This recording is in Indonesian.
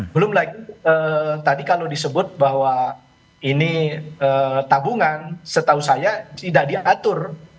belum lagi tadi kalau disebut bahwa ini tabungan setahu saya tidak diatur